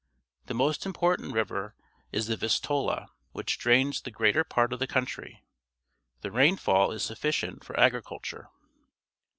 The most important river is the Vistula, which drains the greater part of the country. The rainfall is sufficient for agriculture.